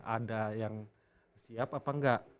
ada yang siap apa enggak